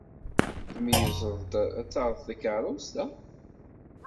Tmeyyzeḍ-d ad taɣeḍ takeṛṛust-a?